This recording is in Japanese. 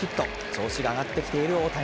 調子が上がってきている大谷。